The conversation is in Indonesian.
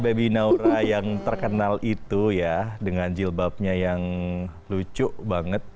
baby naura yang terkenal itu ya dengan jilbabnya yang lucu banget